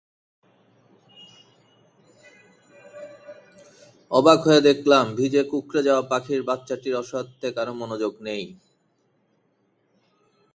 অবাক হয়ে দেখলাম, ভিজে কুঁকড়ে যাওয়া পাখির বাচ্চাটির অসহায়ত্বে কারও মনোযোগ নেই।